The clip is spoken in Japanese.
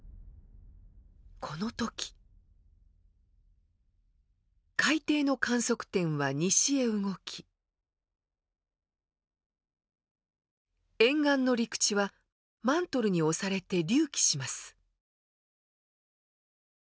この時海底の観測点は西へ動き沿岸の陸地はマントルに押されて隆起します。